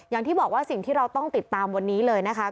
อย่างที่บอกว่าสิ่งที่เราต้องติดตามวันนี้เลยนะคะ